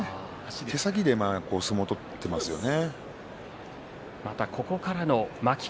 手先で相撲を取っていますよね。